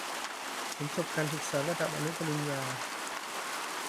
ฉันจบการศึกษาระดับอนุปริญญา